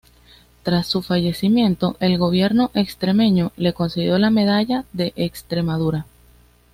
Tras su fallecimiento, el gobierno extremeño le concedió la Medalla de Extremadura.